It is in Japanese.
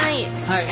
はい。